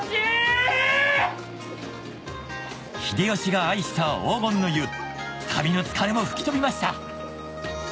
秀吉が愛した黄金の湯旅の疲れも吹き飛びました！